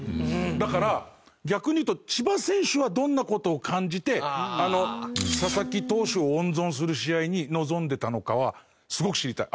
だから逆に言うと千葉選手はどんな事を感じてあの佐々木投手を温存する試合に臨んでいたのかはすごく知りたい。